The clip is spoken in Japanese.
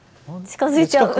近づいちゃう。